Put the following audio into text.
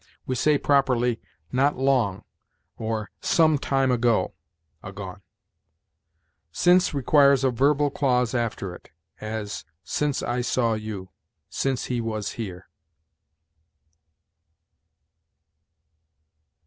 We say properly, "not long" or "some time ago [agone]." Since requires a verbal clause after it; as, "Since I saw you"; "Since he was here."